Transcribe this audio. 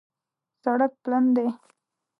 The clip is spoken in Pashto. سړک پلن دی